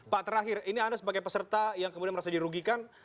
pak terakhir ini anda sebagai peserta yang kemudian merasa dirugikan